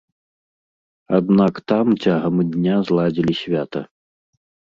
Аднак там цягам дня зладзілі свята.